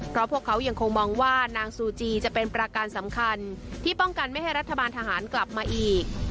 เพราะพวกเขายังคงมองว่านางซูจีจะเป็นประการสำคัญที่ป้องกันไม่ให้รัฐบาลทหารกลับมาอีก